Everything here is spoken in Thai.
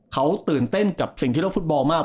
เขาตื่นเต้นกับสิ่งที่โลกฟุตบอลมาก